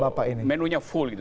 kalau resepsi itu menunya full gitu